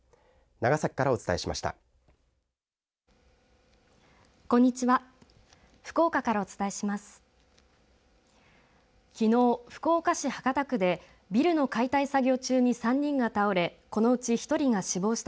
長崎からお伝えしました。